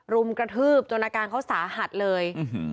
รุมกระทืบจนอาการเขาสาหัสเลย